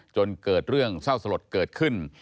จนเกิดเรื่องเศร้าสลดเกิดขึ้น